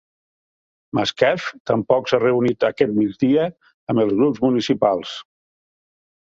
Masquef tampoc s'ha reunit aquest migdia amb els grups municipals.